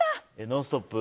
「ノンストップ！」